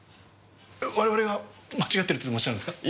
我々が間違ってるとでもおっしゃるんですか？